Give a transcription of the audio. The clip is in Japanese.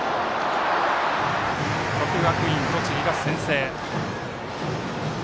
国学院栃木が先制。